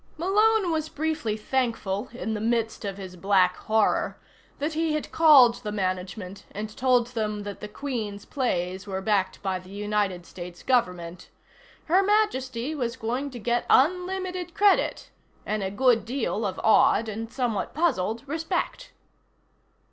Malone was briefly thankful, in the midst of his black horror, that he had called the management and told them that the Queen's plays were backed by the United States Government. Her Majesty was going to get unlimited credit and a good deal of awed and somewhat puzzled respect.